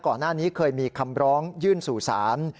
ก่อนหน้านี้เคยมีคำร้องยื่นสู่ศาล